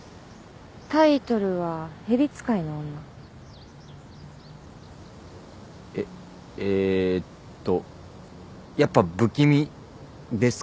タイトルは『蛇使いの女』ええーっとやっぱ不気味ですか？